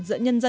giữa nhân dân